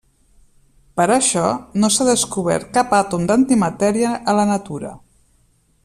Per això, no s'ha descobert cap àtom d'antimatèria a la natura.